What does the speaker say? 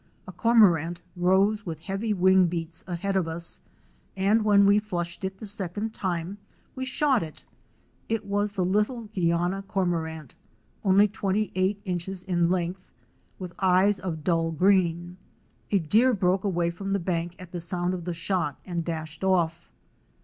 A Cormorant rose with heavy wing beats ahead of us, and when we flushed it the second time we shot it. It was the little Guiana Cormo rant " only twenty eight inches in length, with eyes of dull green. A deer broke away from the bank at the sound of the shot and dashed off.